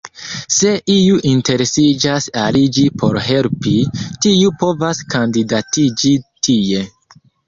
Se iu interesiĝas aliĝi por helpi, tiu povas kandidatiĝi tie.